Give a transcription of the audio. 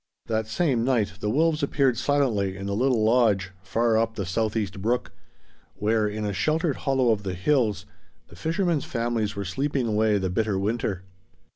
That same night the wolves appeared silently in the little lodge, far up the Southeast Brook, where in a sheltered hollow of the hills the fishermen's families were sleeping away the bitter winter.